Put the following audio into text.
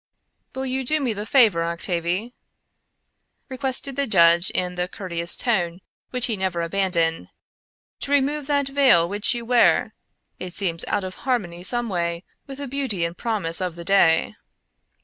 "Will you do me the favor, Octavie," requested the judge in the courteous tone which he never abandoned, "to remove that veil which you wear. It seems out of harmony, someway, with the beauty and promise of the day."